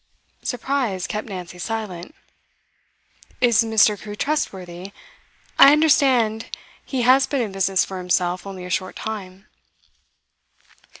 Surprise kept Nancy silent. 'Is Mr. Crewe trustworthy? I understand he has been in business for himself only a short time.